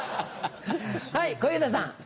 はい小遊三さん。